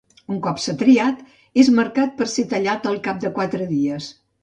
Un cop s'ha triat, és marcat per ésser tallat al cap de quatre dies.